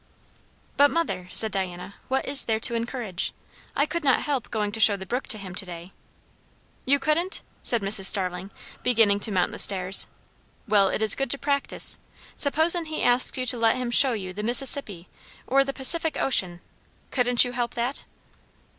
"But, mother!" said Diana, "what is there to encourage? I could not help going to show the brook to him to day." "You couldn't?" said Mrs. Starling, beginning to mount the stairs. "Well, it is good to practise. Suppose'n he asked you to let him show you the Mississippi or the Pacific Ocean; couldn't you help that?"